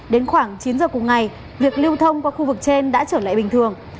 đến khoảng chín giờ cùng ngày việc lưu thông qua khu vực trên đã trở lại bình thường